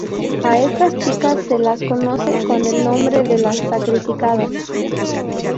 A estas chicas se las conoce con el nombre de "las sacrificadas".